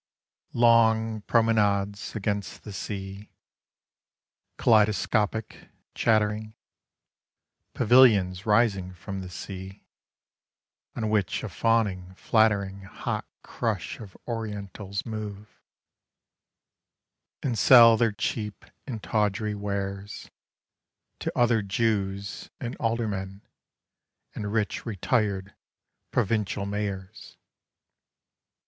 PROMENADES. LONG promenades against the sea, Kaleidoscopic, chattering ! Pavilions rising from the sea, On which a fawning flattering Hot crush of oriental: : move, And sell their cheap and tawdry wares, To other Jews, and aldermen, And rich retired provincial mayors.